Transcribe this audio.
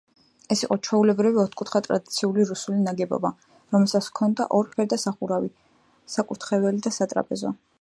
ეს იყო ჩვეულებრივი ოთკუთხა ტრადიციული რუსული ნაგებობა, რომელსაც ჰქონდა ორფერდა სახურავი, საკურთხეველი და სატრაპეზო.